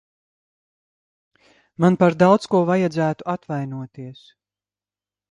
Man par daudz ko vajadzētu atvainoties.